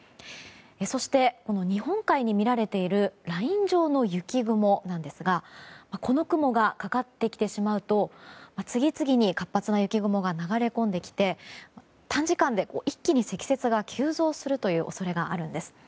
そして、この日本海にみられているライン状の雪雲ですがこの雲がかかってきてしまうと次々に活発な雪雲が流れ込んできて短時間で一気に積雪が急増する恐れがあるんです。